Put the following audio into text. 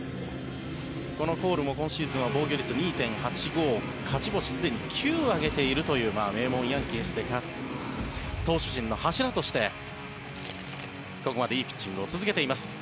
このコールも今シーズンは防御率２．８５勝ち星、すでに９を挙げているという名門ヤンキースで投手陣の柱としてここまでいいピッチングを続けています。